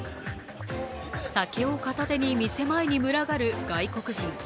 酒を片手に店前に群がる外国人。